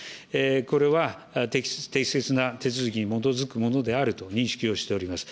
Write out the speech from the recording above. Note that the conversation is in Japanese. これは、適切な手続きに基づくものであると認識をしております。